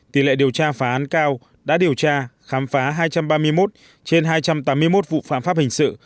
tỷ lệ điều tra phá án cao đã điều tra khám phá hai trăm ba mươi một trên hai trăm tám mươi một vụ phạm pháp hình sự